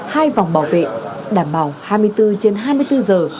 hai vòng bảo vệ đảm bảo hai mươi bốn trên hai mươi bốn giờ